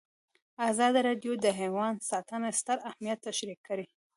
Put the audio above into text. ازادي راډیو د حیوان ساتنه ستر اهميت تشریح کړی.